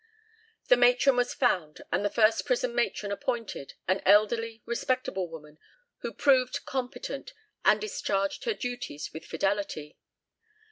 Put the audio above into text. The matron was found, and the first prison matron appointed, an elderly respectable woman, who proved competent, and discharged her duties with fidelity.